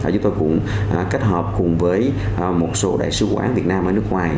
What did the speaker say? chúng tôi cũng kết hợp cùng với một số đại sứ quán việt nam ở nước ngoài